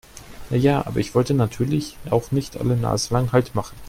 Na ja, aber ich wollte natürlich auch nicht alle naselang Halt machen.